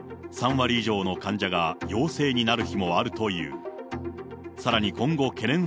３割以上の患者が陽性になる日もあるという。